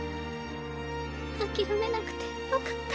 諦めなくてよかった。